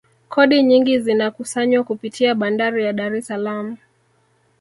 kodi nyingi zinakusanywa kupitia bandari ya dar es salaam